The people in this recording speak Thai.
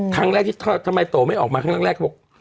ครั้งแรกที่ทำไมโตไม่ออกมาครั้งแรกเขาบอก